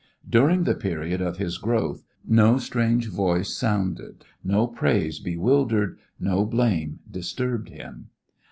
During the period of his growth no strange voice sounded, no praise bewildered, no blame disturbed him.